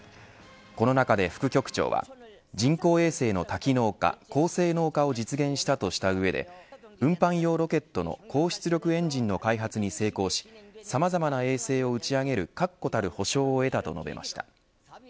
この中で副局長は人工衛星の多機能化高性能化を実現したとした上で運搬用ロケットの高出力エンジンの開発に成功しさまざまな衛星を打ち上げる確固たる保証を得たと述べました。